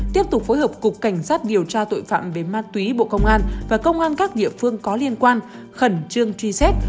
tiếp tục phối hợp cục cảnh sát điều tra tội phạm về ma túy bộ công an và công an các địa phương có liên quan khẩn trương truy xét